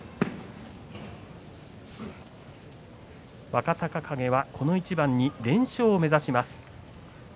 若隆景はこの一番に連勝を目指します。